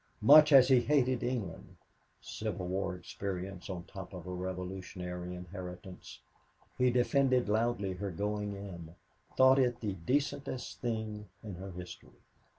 Much as he hated England Civil War experience on top of a revolutionary inheritance he defended loudly her going in, thought it the decentest thing in her history.